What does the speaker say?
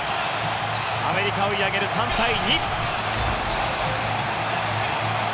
アメリカ追い上げる３対２。